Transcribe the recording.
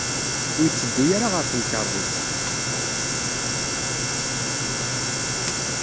Ur yetteddu ara ɣer temkarḍit.